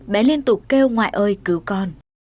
bé liên tục kêu ngoại ơi cứu con